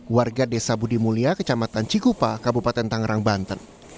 warga desa budi mulia kecamatan cikupa kabupaten tangerang banten